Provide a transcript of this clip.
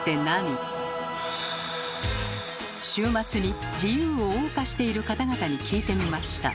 週末に自由をおう歌している方々に聞いてみました。